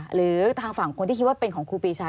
หรือทางฝั่งคนที่คิดว่าเป็นของครูปีชา